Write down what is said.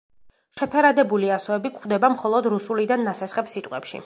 შეფერადებული ასოები გვხვდება მხოლოდ რუსულიდან ნასესხებ სიტყვებში.